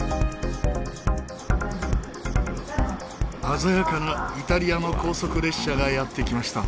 鮮やかなイタリアの高速列車がやって来ました。